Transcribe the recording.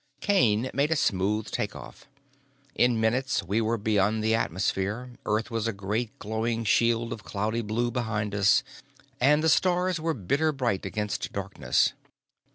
Kane made a smooth takeoff. In minutes we were beyond the atmosphere, Earth was a great glowing shield of cloudy blue behind us, and the stars were bitter bright against darkness.